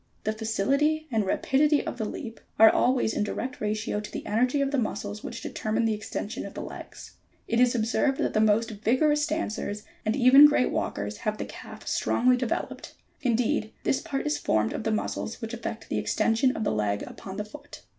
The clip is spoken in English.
The facility and rapidity of the leap are always in direct ratio to the energy of the muscles, which determine the extension of the legs. It is observed that the most vigorous dancers and even great walkers have the calf strongly developed : indeed this part is formed of the muscles which effect the extension of the leg upon the foot.